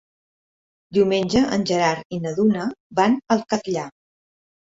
Diumenge en Gerard i na Duna van al Catllar.